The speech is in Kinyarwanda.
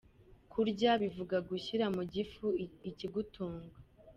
Kurya: bivuga gushyira mu gifu ikigutunga.